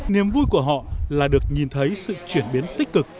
niềm vui của họ là được nhìn thấy sự chuyển biến tích cực